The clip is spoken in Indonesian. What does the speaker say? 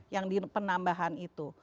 yang di penambahan itu